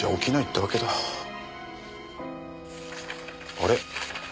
あれ？